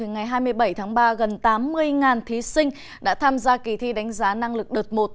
ngày hai mươi bảy tháng ba gần tám mươi thí sinh đã tham gia kỳ thi đánh giá năng lực đợt một